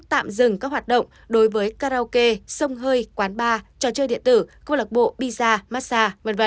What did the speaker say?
tạm dừng các hoạt động đối với karaoke sông hơi quán bar trò chơi điện tử câu lạc bộ biza massage v v